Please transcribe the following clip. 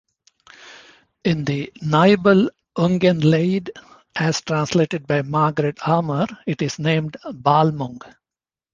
In "The Nibelungenlied", as translated by Margaret Armour, it is named Balmung.